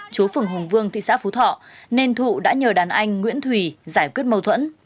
chú phường hùng vương thị xã phú thọ nên thụ đã nhờ đàn anh nguyễn thùy giải quyết mâu thuẫn